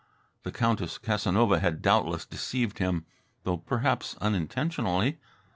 The Countess Casanova had doubtless deceived him, though perhaps unintentionally.